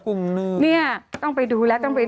กุยบุรีตอบเร็วค่ะกุยบุรีค่ะ